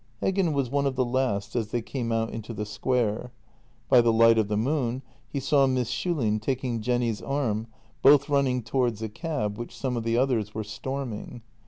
Heggen was one of the last as they came out into the square. By the light of the moon he saw Miss Schulin taking Jenny's arm, both running towards a cab, which some of the others were storming.